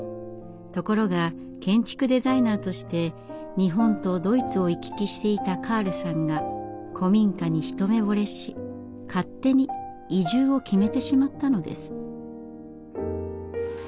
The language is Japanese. ところが建築デザイナーとして日本とドイツを行き来していたカールさんが古民家に一目ぼれし勝手に移住を決めてしまったのです。